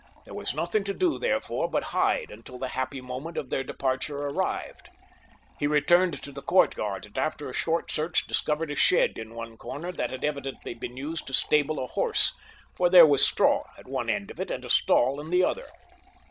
There was nothing to do, therefore, but hide until the happy moment of their departure arrived. He returned to the courtyard, and after a short search discovered a shed in one corner that had evidently been used to stable a horse, for there was straw at one end of it and a stall in the other.